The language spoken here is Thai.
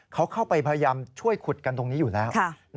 เขาเข้าไปพยายามช่วยขุดกันตรงนี้อยู่แล้ว